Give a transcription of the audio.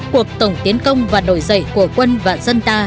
cuộc tổng tiến công và nổi dậy của quân và dân ta